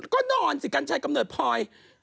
ก็นอนสิกัญชัยกำเนิดพลอย